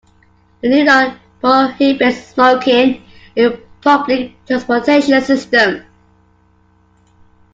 The new law prohibits smoking in public transportation systems.